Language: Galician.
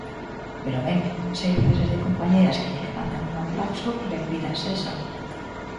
Pero ben, se hai frases de compañeiras que lle levantan un aplauso, benvidas sexan.